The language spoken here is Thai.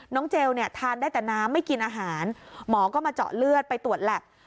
เจลเนี่ยทานได้แต่น้ำไม่กินอาหารหมอก็มาเจาะเลือดไปตรวจแล็บ